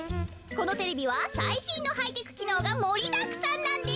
このテレビはさいしんのハイテクきのうがもりだくさんなんです。